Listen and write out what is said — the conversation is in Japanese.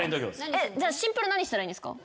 じゃあシンプル何したらいいんですか？